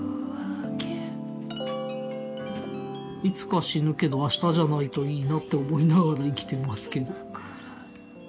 いつか死ぬけど明日じゃないといいなって思いながら生きてますけど。